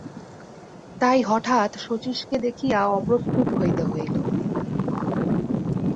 তাই হঠাৎ শচীশকে দেখিয়া অপ্রস্তুত হইতে হইল।